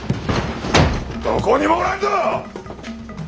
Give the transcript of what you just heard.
どこにもおらんぞ！